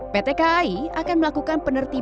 pt kai akan melakukan penertiban